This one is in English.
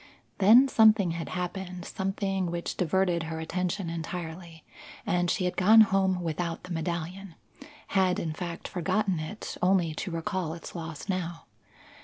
Then something had happened, something which diverted her attention entirely, and she had gone home without the medallion; had, in fact, forgotten it, only to recall its loss now.